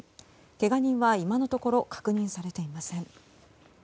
けが人は今のところ確認されていません。